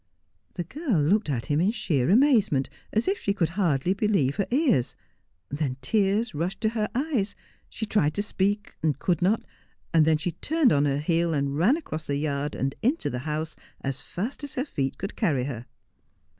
The girl looked at him in sheer amazement, as if she could hardly believe her ears, then tears rushed to her eyes : she tried to speak, and could not, and then she turned on her heel and ran across the yard and into the house as fast as her feet could carry her.